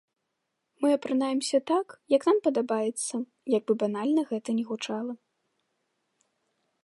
Мы апранаемся так, як нам падабаецца, як бы банальна гэта ні гучала.